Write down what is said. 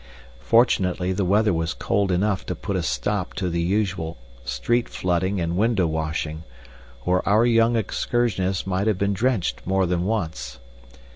Fortunately the weather was cold enough to put a stop to the usual street flooding and window washing, or our young excursionists might have been drenched more than once.